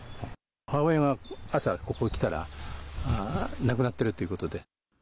母親が朝、ここ来たら、なくなってるということで。